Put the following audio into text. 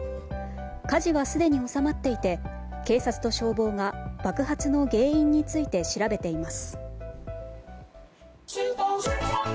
火事はすでに収まっていて警察と消防は爆発の原因について調べています。